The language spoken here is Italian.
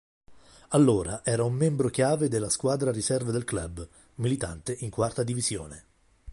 Allora era un membro chiave della squadra riserve del club, militante in quarta divisione.